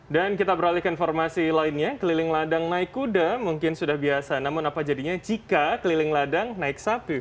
dan kita beralihkan informasi lainnya keliling ladang naik kuda mungkin sudah biasa namun apa jadinya jika keliling ladang naik sapi